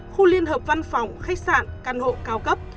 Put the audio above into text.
khu liên hợp văn phòng khách sạn căn hộ cao cấp